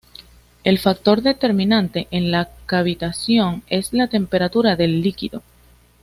El factor determinante en la cavitación es la temperatura del líquido.